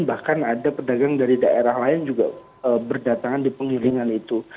bahkan ada pedagang dari daerah lain juga berdatangan di pengiringan itu